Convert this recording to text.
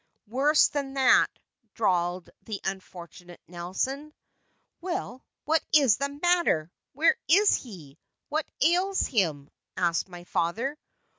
"Worse than that," drawled the unfortunate Nelson. "Well, what is the matter? where is he? what ails him?" asked my father.